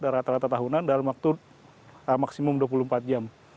rata rata tahunan dalam waktu maksimum dua puluh empat jam